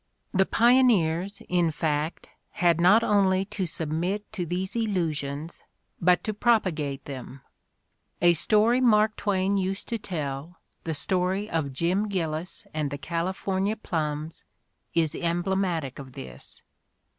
The pioneers, in fact, had not only to submit to these The Gilded Age 63 illusions but to propagate them. A story Mark Twain used to tell, the story of Jim Gillis and the California plums, is emblematic of this.